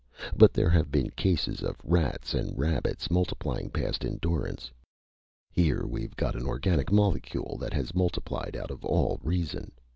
But there have been cases of rats and rabbits multiplying past endurance. Here we've got an organic molecule that has multiplied out of all reason!